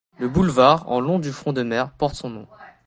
Le boulevard en long du front de mer, porte son nom.